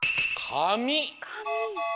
「かみ」。